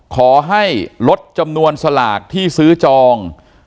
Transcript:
ขอให้ลดจำนวนสลากที่ซื้อจอง